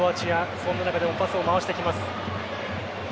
その中でもパスを回してきます。